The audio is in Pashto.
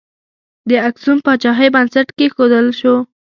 د اکسوم پاچاهۍ بنسټ کښودل شو.